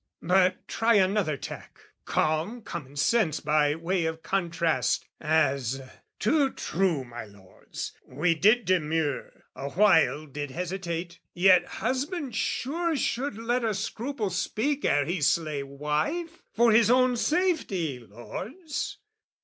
But try another tack, calm common sense By way of contrast: as Too true, my lords! We did demur, awhile did hesitate: Yet husband sure should let a scruple speak Ere he slay wife, for his own safety, lords!